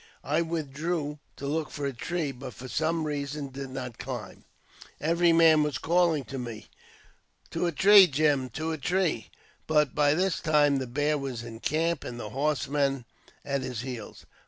I withdrew to look for a tree, but for some reason did not climb. Every man was calling to me, *' To a tree, Jim! to a tree I " but by this time the bear was in camp, and the horse men at his heels.